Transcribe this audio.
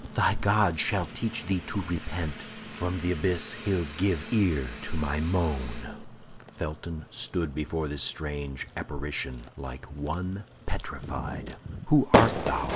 Thy God shall teach thee to repent! From th' abyss he'll give ear to my moan." Felton stood before this strange apparition like one petrified. "Who art thou?